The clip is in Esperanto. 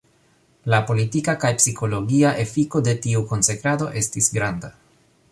La politika kaj psikologia efiko de tiu konsekrado estis granda.